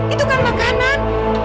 itu kan makanan